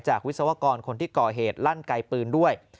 วิศวกรคนที่ก่อเหตุลั่นไกลปืนด้วย